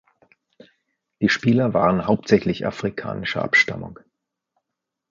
Die Spieler waren hauptsächlich afrikanischer Abstammung.